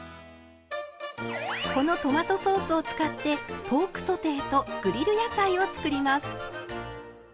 このトマトソースを使ってポークソテーとグリル野菜を作ります。